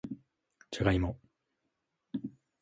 じゃがいも